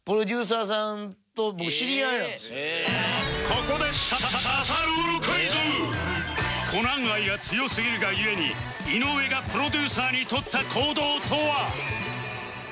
ここで『コナン』愛が強すぎるが故に井上がプロデューサーに取った行動とは？